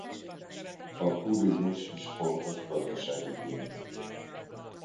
A turizmus is fontos gazdasági tényező.